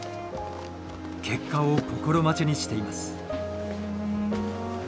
結果を心待ちにしています。